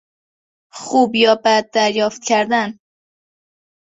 خوب یا بد دریافت کردن